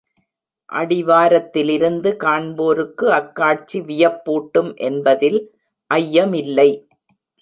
அடிவாரத்திலிருந்து காண்போருக்கு அக்காட்சி வியப்பூட்டும் என்பதில் ஐயமில்லை.